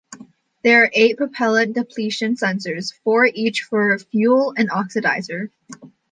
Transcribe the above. There are eight propellant-depletion sensors, four each for fuel and oxidizer.